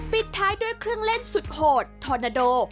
ปิดท้ายด้วยเครื่องเล่นสุดโหดทอนาโด